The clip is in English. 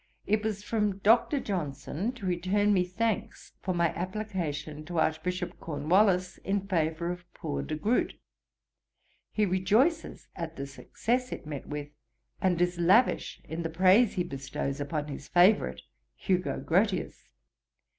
It was from Dr. Johnson, to return me thanks for my application to Archbishop Cornwallis in favour of poor De Groot. He rejoices at the success it met with, and is lavish in the praise he bestows upon his favourite, Hugo Grotius.